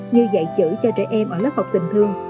như dạy chữ cho trẻ em ở lớp học tình thương